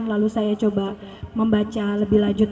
lalu saya coba membaca lebih lanjut